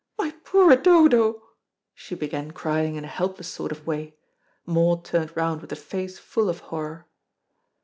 My poor Dodo!" She began crying in a helpless sort of way. Maud turned round with a face full of horror.